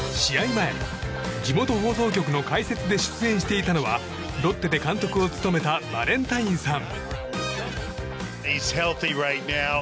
前、地元放送局の解説で出演していたのはロッテで監督を務めたバレンタインさん。